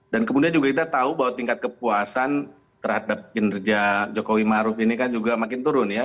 dan kemudian juga kita tahu bahwa tingkat kepuasan terhadap kinerja jokowi maruf ini kan juga makin turun ya